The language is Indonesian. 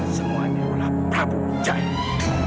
semuanya adalah prabu jaya